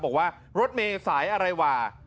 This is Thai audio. บอกว่ารถเมย์สายอะไรว่ะ